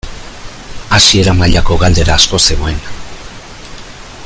Hasiera mailako galdera asko zegoen.